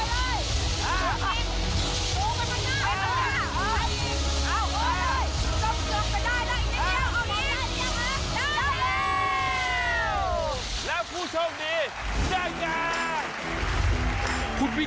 งั้นโกยเลยไป